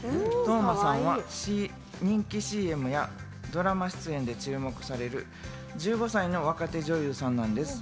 當真さんは人気ＣＭやドラマ出演で注目されている１５歳の若手女優さんなんです。